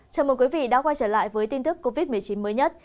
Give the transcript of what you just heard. chào mừng quý vị đã quay trở lại với tin tức covid một mươi chín mới nhất